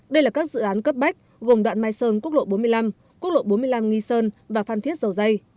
đây là các dự án cấp bách gồm đoạn mai sơn quốc lộ bốn mươi năm quốc lộ bốn mươi năm nghi sơn và phan thiết dầu dây